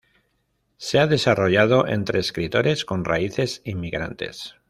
Se ha desarrollado entre escritores con raíces inmigrantes.